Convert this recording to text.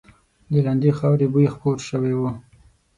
د لندې خاورې بوی خپور شوی و.